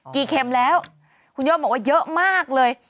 เข็มแล้วคุณโย่งบอกว่าเยอะมากเลย